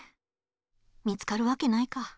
見つかるわけないか。